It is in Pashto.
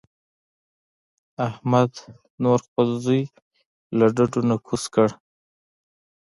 احمد نور خپل زوی له ډډو نه کوز کړ.